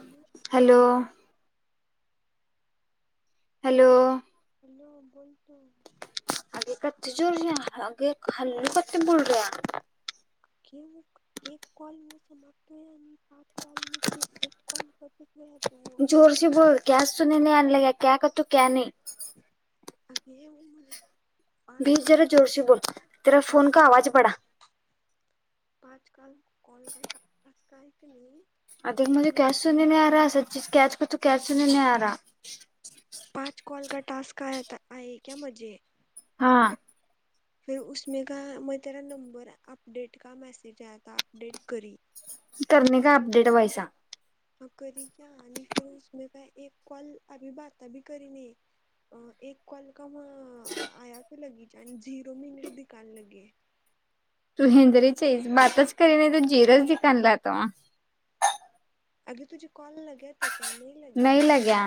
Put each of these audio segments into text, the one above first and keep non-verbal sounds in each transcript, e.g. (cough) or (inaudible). हम. Hello! Hello! Hello! बोलतो. अगे कथे जुर रया अग हलू कते बोल रहा. कि म एक कॉल म समाप्त ह आणि पाप कॉल मुखी एक कॉल घ ह दो, जोरशी बोल क्या सुने नाही आणलाग्या क्या कतू क्या नाही. अगे उ म्हर भीज जरा जोरशी बोल, तेरा फोन का आवाज बडा. पाचकाल कॉल करता आजकाल क नाही. उसमें (unintelligible) पाच कॉल का टास्क आया था आया क्या मुझे. हा फर उमे का म तेरा नंबर आपपडेट का मेसेज आया था आपडडेट करीये. करणे का अपडेट वैसा. हा करी क्या आणि फिर उसमे का एक कॉल अभी बाता भी करी नही. अ एक कॉल कम आया त लगच्यान झिरो मिनरी दीकान लगे. तू हेंद्रीच है बातच करी नाही त जीरच दिकनला आता म अगे तुझे कॉल लगे (unintelligible) नाही लग्या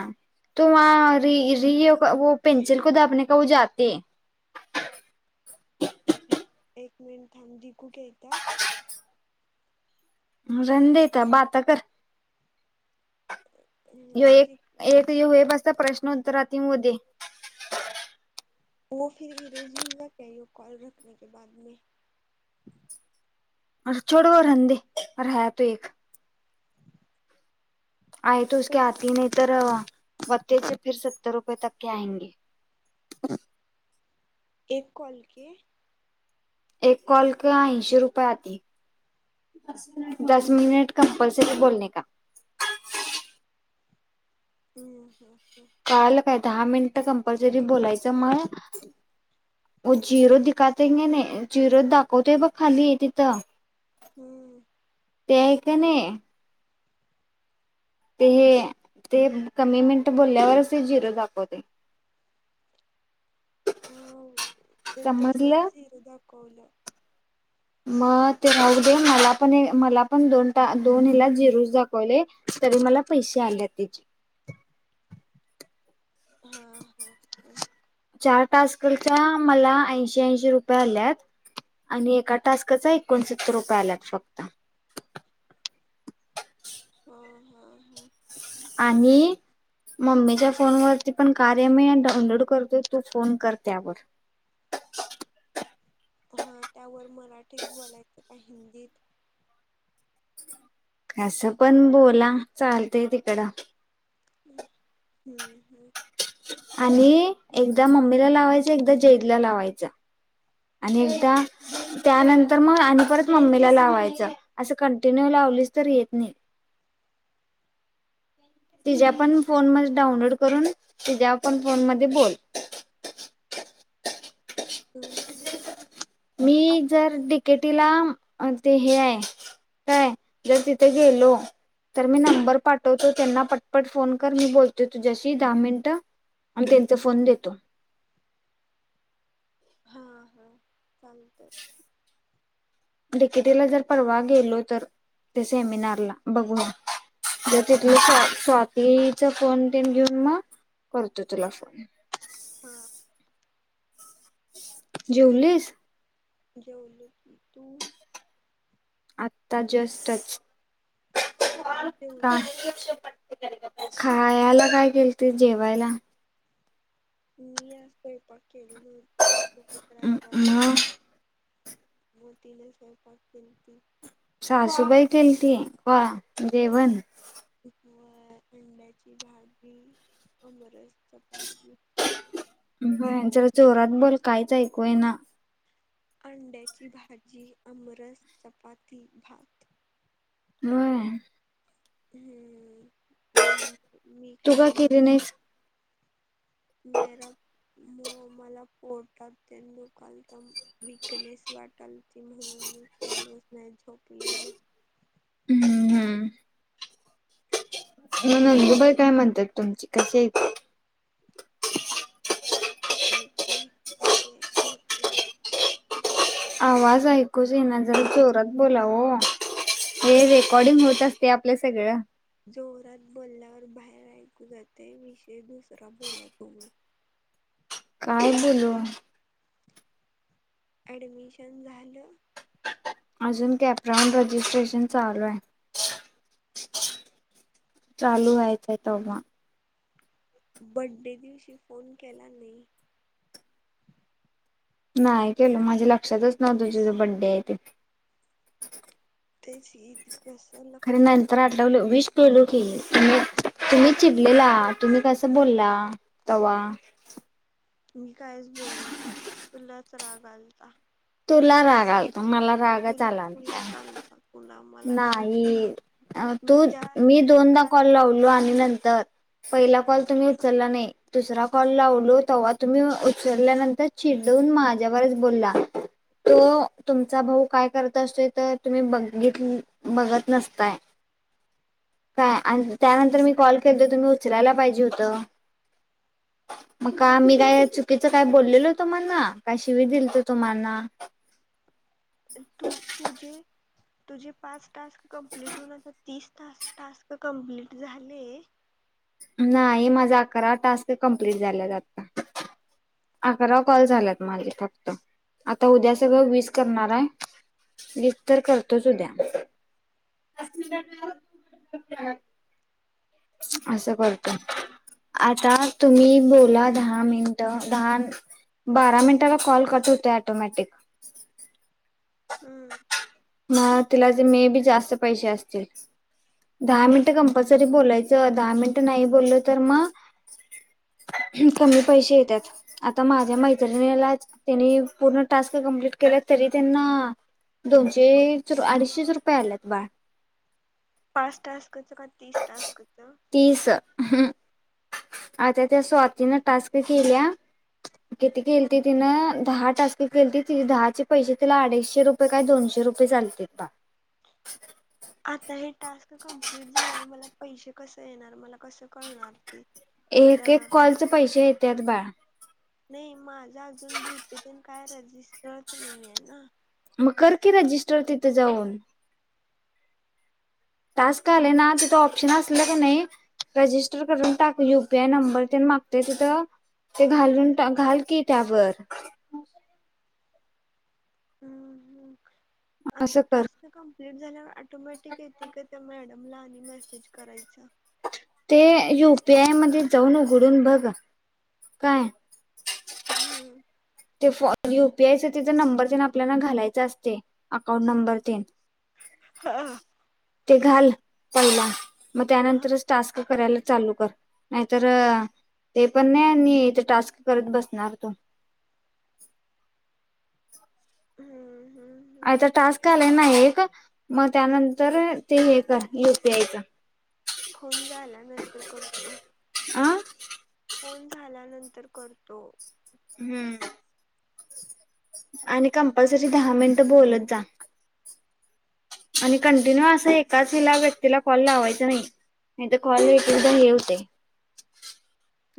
त व र र व पेनसल को दापने का व जाते (unintelligible) एक मिनट हम दिकू क्या इता. रण देत बाता कर. य एक एक य हे बसता प्रश्न उत्तरात मध्ये व फि इरेजंगा कही हो कॉल रखणे के बा मे. अर छोड वो रनदे रहा तो एक. आई तोक आती नाही तर वत्तेचे फर सत्तर रुपये तक के आयंगे. एक कॉल के एक कॉलक ऐंशी रुपये आती. दस मिनिट कंपल्सरी बोलणे का. हम्म हम्म कळाल काय? दहा मिनिट कंपल्सरी बोलायच. मग वो झिरो दिखा नही नही नही झिरो दाखवतोय बघ खाली तिथं. हम्म ते आहे का नाही ते हे ते कमी मिनटं बोलल्यावरच ते झिरो दाखवते. हा ते समजलं तसच झिरो दाखवल. मग ते राहु दे हिरो मला पण मला पण दोन दोन हेला झिरो दाखवले. तरी मला पैसे आलेत त्याचे. हा हा हा चार टास्कच्या मला ऐंशी ऐंशी रुपये आल्यात. आणि एका टास्काचा एकोणसत्तर रुपये आल्यात फक्त. हा हा हा आणि मम्मीच्या फोन वरती पण कार्य मी डाउनलोड करतो. तू फोन कर त्यावर. हा त्यावर मराठीत बोलायचं का हिंदीत. कसं पण बोला चालतंय तिकड. हम्म हम्म आणि एकदा मम्मीला लावायचा. एकदा जैदला लावायचा. आणि एकदा त्यानंतर मग आणि परत मम्मीला लावायचा असं कंटिन्यू लावलीच तर येत नाही. तिच्याया पण फोन मध्ये डाऊनलोड करून तिझ्या पण फोन मध्ये बोल. हम्म हम्म मी आता जर ते दी केटीला ते हे आहे. काय जर तिथं गेलो तर मी नंबर पाठ तु त्यांना पटपट फोन कर. मी बोलतो तुझ्याशी दहा मिनिटं. आणि त्यांचा फोन देतो. हा हा चालतंय. डिकेटला जर परवा गेलो तर त्या सेमिनारला बघून तिथला स्वा स्वातीचा फोन तेन घेऊन मग करतो तुला फोन. हा जेवलीस? जेवले तु आता जस्टच काय का जेवलीस खायला काय केल ते जेवायला मी आज तो बहुत खासवाॉल मग व तिन सैवपाक पनती सासूबाई केली ती का जवण व अंड्याची भाजी अमरस चपाती (unintelligible) भात जला चोरात बोल काहीच ऐकूय ना अंड्याची भाजी अमरस चपाती भात होय हम्म मी तू काय का केली आमरस- नाहीस? मरा (unintelligible) मग मला पोटात त्यां दुखालता वकनेस वाटलती म्हणून गेलो नाही झोपलेलो हम्म हम्म म नंदुबाई काय म्हणतात तुमचे कसे? कारला (unintelligible) आवाज ऐकू येईना जरा जोरत बोलाव हे रेकॉर्डिंग होत असते आपलं सगळं जोरात बोलल्यावर बाहेर ऐकू जाते विषय दुसरा बोला तुम्ही काय बोलू? ऍडमिशन झालं? अजून कॅपराॉन रजिस्ट्रेशन चालू आहे. चालू अ आहेतयचय त्हा बड्डे दिवशी फोन केला नाही नाही केल माझ्या लक्षातच नव्ह तुझी ज बड्डे आहे ते तेची त खरी नानंतरा वल विष टोलू की तुम् तुम्ही चिडलेला तुम्ही कस बोलला तवा मी काहीच बोललो नाही तुलाच राग आलता तुला राग आलत मला रागच आला ल फु नाही तू त्या मी दिवशी दोनदा का कॉल ते लावलो आणि नंतर पहिला कॉल तुम्ही उचलला नाही दुसरा कॉल लावलो तेव्हा तुम्ही उचलल्यानंतर िड देवून माझ्यावरच बोलला तो तुमचा भाऊ काय करत असतो तर तुम्ही बघ घ बघत नसताय काय आणि त्यानंतर मी कॉल करतेो तुम्ही उचलायला पाहिजे होतं (unintelligible) मग का मी काय चुकीचं काय बोललेलो तुम्हाना काय शिवी दिलीत तुम्हाना तू तुझे तुझे पाच टास्क कंप्लीट होऊनता तीस टास्क कंप्लीट झाले नाही माझा अकरा टास्क कंप्लीट झाला जातता अकरा कॉल झालात माझे फक्त आता उद्या सगळं वीस करणार आहे गीत तर करतोच उद्या अस खछ असं करतो आता तुम्ही बोला दहा मिनिटं, दहा बारा मिनटाला कॉल कट होतोय, ऑटोमॅटिक. हम्म म तुला ज मे बी जास्त पैसे असतील. दहा मिनिट कंपल्सरी बोलायचं, दहा मिनट नाही बोललं तर मग कमी पैसे येत्यात. आता माझ्या मैत्रिणीलाच, त्यांनी पूर्ण टास्क कम्प्लीट केल्यात, तरी त्यांना दोनशे, अडीचशेच रुपये आल्यात बाळ. पाच टास्कच का? तीस टास्कच? तीस, आता त्या स्वातीन टास्क केल्या किती केलीती तिनं, दहा टास्क केलीती, तिला दहाचे पैसे तिला अडीचशे रुपये काय दोनशे रुपये चालत आता हे टास्क कम्प्लीट झाल्यावर, मला पैसे कसं येणार? मला कस कळणार ते? त्या एक एक कॉलचे पैसे येतात बाळ. नई माझ अजून, जीपे तेन काय रजिस्टरच न्हाई आहे ना. मग कर की रजिस्टर, तिथं जाऊन. टास्क आलेय ना, तिथं ऑप्शन असलं क नई रजिस्टर करून टाक, यू पी आय नंबर तेन मागतय तिथं ते घालून टाक, घाल की त्यावर हम! आता असं कर टास्क क (unintelligible) झाल्यावर ॲटोमॅटिक येतय का, त्या मॅडमला आणि मेसेज करायचा? ते यु पी आय मध्ये जाऊन उघडून बघ, काय हम्म! ते फ यू पीआयच तिथ नंबर तेन आपल्याला घालायच असतय, अकाउंट नंबर तेन हा. ते घाल पहिला, मग त्यानंतरच टास्क करायला चालू कर. नाहीतर, ते पण नाही, आणि ते टास्क करत बसणार तू. हम! आता टास्क आलाय ना एक, मग त्यानंतर ते हे कर, यु पी आयच. फोन झाल्यानंतर करतो. फोन झाल्यानंतर करतो. हम्म! आणि कंपल्सरी दहा मिनिट बोलत जा. आणि हम्म कंटिन्यू अस एक एकाच हिला व्यक्तीला कॉल लावायचा नाही, नाही तर कॉल एक एकदा हे होतय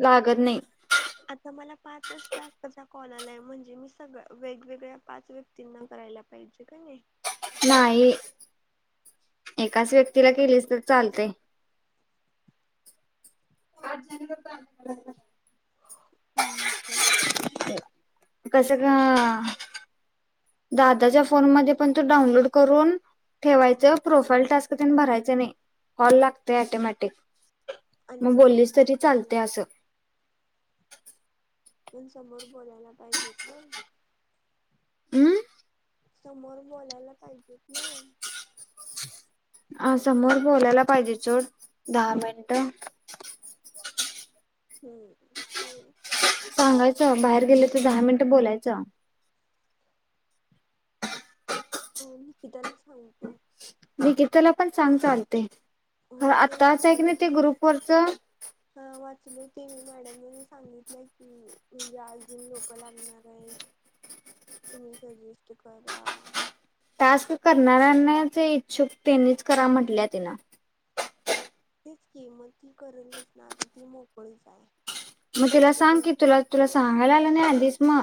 लागत नाही. आता मला पाचच टास्कचा कॉल आलाय, म्हणजे मी सगळ्या वेगवेगळ्या पाच व व्यक्तीना करायला पाहिजे, की नाही? नाही. एकाच व्यक्तीला केलीसं तर चालतय. (unintelligible) (inaudible) हम हम. कसं ग दादाच्या फोनमध्ये पण तो डाउनलोड करून ठेवायचं, प्रोफाईल टास्क तेन भरायचं नाही, कॉल लागतोय ऑटोमॅटिक. आणि मग समोर बोललीस कोण तरी चालतय, बोलणार असं पण समोर बोलायला पाहिजेत ना? अं? समोर बोलायला पाहिजेत ना? हा, समोर बोलायला पाहिजेत सोड, दहा मिनिट हम्म हम्म सांगायचं बाहेर गेले त दहा मिनिट बोलायचा हो मी मी त्यालाचं म्हणतो निकिताला पण सांग चालतय हो ते आताच आहे की नाय ते मॅडमने मेसेज ग्रुपवरच हा वाचलय की मी मॅडमनी सांगितलंय की म्हणजे अजून लोकं लागणार आहे. तुम्ही सजेस्ट करा. टास्क करणाऱ्यांनाचं इच्छुक त्यांनीच करा म्हटल्या तिन तेच की म ती करून बसना आता ती मोकळीच हाय. म तिला सांग की तुला तुला सांगायला आलं नाय आधीच म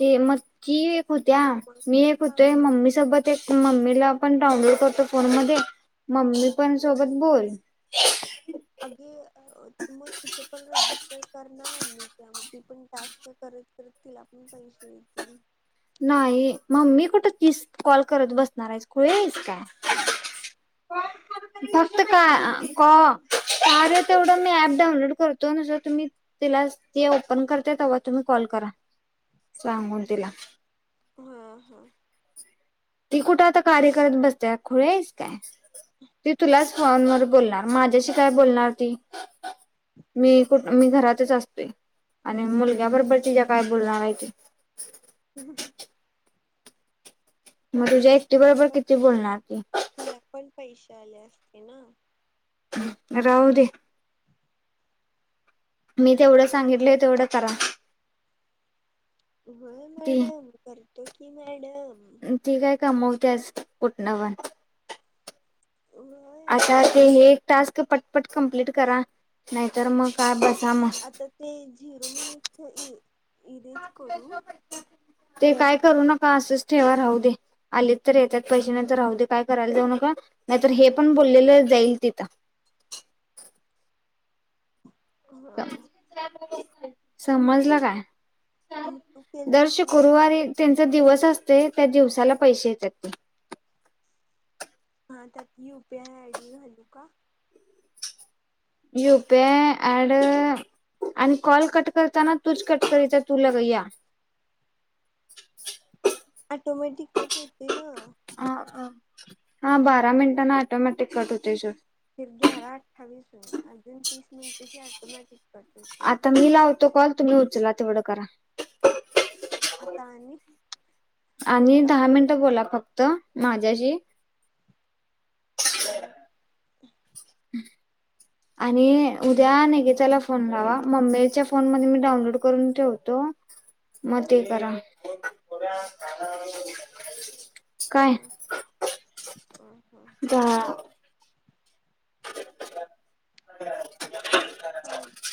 ते मग की होत्या काम मी एक होते काम मम्मी सोबत ते मम्मीला पण डाउनलोड करतो फोन मध्ये मम्मी पण सोबत बोल. अगे मग तिचं पण रजिस्टर कर ना मम्मीचं म ती पण टास्क करत करत तिला पण पैसे येतील. नाही मम्मी कुठं तीस कॉल करत बसणार हाईस खुळी हाईस काय? काय म मी फक्त का कॉ कार्या तेवढं मी ऍप डाउनलोड करतो न जर तुम्ही तिलास ती ओपन करते तवा तुम्ही कॉल करा सांगून तिला हा हा ती कुठ आता कार्य करत बसते खुळी हाईस काय? ती तुलाच फोनवर बोलणार माझ्याशी काय बोलणार ती मी कुठ मी घरातच असतोय आणि मुलग्याकड बय तिज्या काय बोलणार हाय ती (inaudible) म तसं तुझ्या नाही एकटी तिला बरोबर पण किती बोलणार ती तिला पण पैसे आले असते ना? राहू दे. मी तेवढं सांगितलय तेवढं करा. व्हय मॅडम करतो की मॅडम अनं ती काय कमवतेस कुटन पण व्हय. आता ते हे एक टास्क पटपट कम्प्लिट करा नाहीतर मग काय बसा म आता ते झिरो मिनिटच इ इरेज करू ते काय करू नका असंच ठेवा राहू दे. आलीत तर येत्यात पैसे नाही तर राहू दे काय करायला जाऊ नका नाहीतर हे पण बोललेलं हे जाईल तिथं. हा समजलं काय? मग तू दर केलतीस ना शुकुरवारी इरेज त्यानं तो दिवस असतय त्या दिवसाला पैसे येत्यात ते हा त्यात U P I I D घालू का? U P I I D आणि कॉल कट करताना तूच कट करीत जा तुला ग या ऑटोमॅटिक कट होतय न हा अ हा बारा मिनिटांना ऑटोमॅटिक कट होतय सोड फिर ग्याार अठ्ठावीस अजून तीस मिनिटेशी ऑटोमॅटिक कट होतय. आता मी लावतो कॉल तुम्ही उचला तेवढं करा आता आणि आणि दहा मिन टं बोला फक्त माझ्याशी चाल (unintelligible) आणि उद्या निकीताला फोन लावा मम्मीच्या फोन मध्ये मी डाउनलोड करून ठेवतो. म ते करा काय हा हा हा जा (inaudible) चालेत